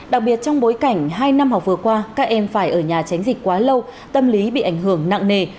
đặc biệt trong bối cảnh hai năm học vừa qua các em phải ở nhà tránh dịch quá lâu tâm lý bị ảnh hưởng nặng nề